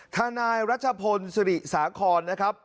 ทนายรัชพลศิริสาคอนนะครับ